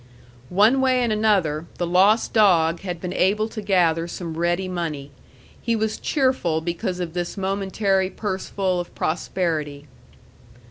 One way and another, the lost dog had been able to gather some ready money. He was cheerful because of this momentary purseful of prosperity.